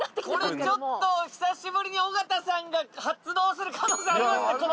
これちょっと久しぶりに尾形さんが発動する可能性ありますね